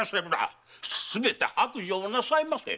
すべて白状なさいませ！